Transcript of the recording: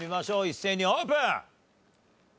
一斉にオープン！